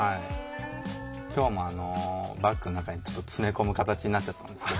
今日もバッグの中にちょっと詰め込む形になっちゃったんですけど。